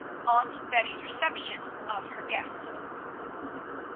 AUNT BETTY'S RECEPTION OF HER GUEST.